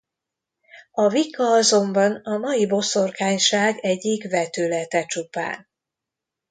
A Wicca azonban a mai boszorkányság egyik vetülete csupán.